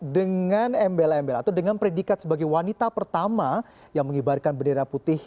dengan embel embel atau dengan predikat sebagai wanita pertama yang mengibarkan bendera putih